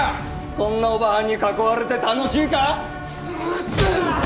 こんなオバハンに囲われて楽しいか？